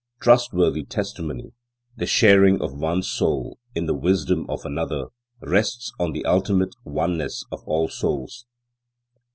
Trustworthy testimony, the sharing of one soul in the wisdom of another, rests on the ultimate oneness of all souls.